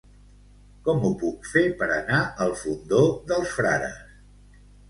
Com ho puc fer per anar al Fondó dels Frares?